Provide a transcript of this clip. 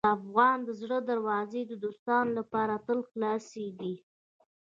د افغان د زړه دروازې د دوستانو لپاره تل خلاصې دي.